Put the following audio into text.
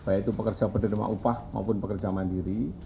yaitu pekerja pendidik rumah upah maupun pekerja mandiri